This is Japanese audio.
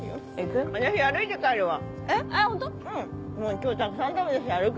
今日たくさん食べたし歩く。